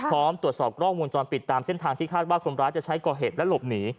พร้อมตรวจสอบกล้องวงจรปิดตามเส้นทางที่คาดว่าคนร้ายจะใช้ก่อเหตุและหลบหนี